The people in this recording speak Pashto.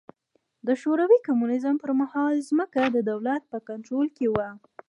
د شوروي کمونېزم پر مهال ځمکه د دولت په کنټرول کې وه.